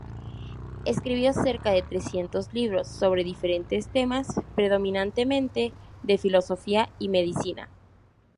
Escribió cerca de trescientos libros sobre diferentes temas, predominantemente de filosofía y medicina.